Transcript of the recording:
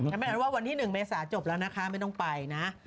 ว่าวันที่๑เมษาจบแล้วนะคะไม่ต้องไปนะ